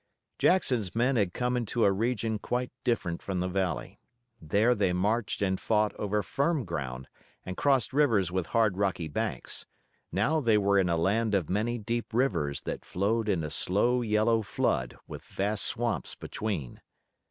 Jackson's men had come into a region quite different from the valley. There they marched and fought over firm ground, and crossed rivers with hard rocky banks. Now they were in a land of many deep rivers that flowed in a slow yellow flood with vast swamps between.